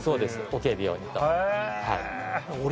置けるようにと。